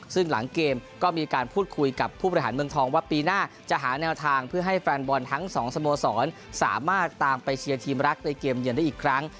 ซึ่งหลังเกมก็มีการพูดคุยกับผู้บริหารเมืองทองว่าปีหน้าจะหาแนวทางเพื่อให้แฟนบอลทั้งสองสโมสรสามารถตามไปเชียร์ทีมรักในเกมเย็นได้อีกครั้ง